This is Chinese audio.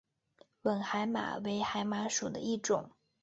吻海马为海马属的一种。